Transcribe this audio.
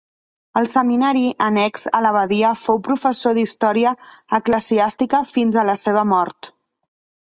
Al seminari annex a l'abadia fou professor d'història eclesiàstica fins a la seva mort.